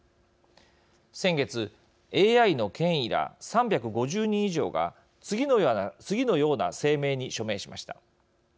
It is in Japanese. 先月、ＡＩの権威ら３５０人以上が次のような声明に署名しました。